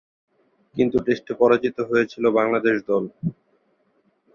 কিন্তু এ টেস্টে পরাজিত হয়েছিল বাংলাদেশ দল।